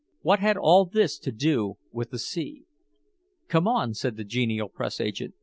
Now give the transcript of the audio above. What had all this to do with the sea? "Come on," said the genial press agent.